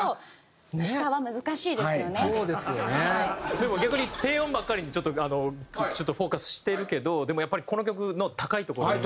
でも逆に低音ばっかりにちょっとフォーカスしてるけどでもやっぱりこの曲の高い所って。